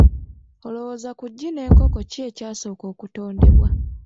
Olowooza ku ggi n'enkoko ki ekyasooka okutondebwa?